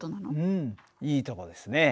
うんいいとこですね。